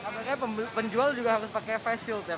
mereka penjual juga harus pakai face shield ya pak